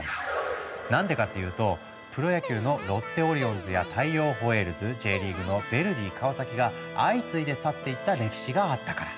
何でかっていうとプロ野球のロッテオリオンズや大洋ホエールズＪリーグのヴェルディ川崎が相次いで去っていった歴史があったから。